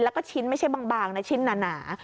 แล้วก็ชิ้นไม่ใช่บางนะชิ้นหนา